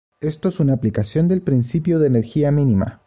Esto es una aplicación del principio de energía mínima.